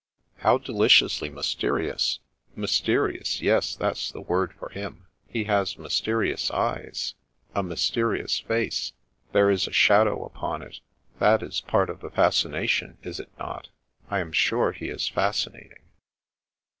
" How deliciously mysterious. Mysterious I yes, that's the word for him. He has mysterious eyes ; a mysterious face. There is a shadow upon it. That is part of the fascination, is it not ? I am sure he is fascinating."